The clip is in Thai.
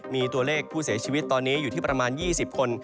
มีตัวเลขผู้เสียชีวิตตอนนี้อยู่ที่ประมาณ๒๐คน